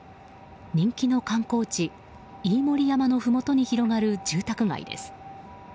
人気の観光地、飯盛山のふもとに広がる住宅街です。